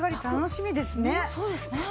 そうですね。